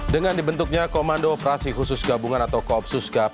dengan dibentuknya komando operasi khusus gabungan atau koopsus gap